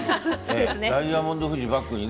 ダイヤモンド富士をバックに。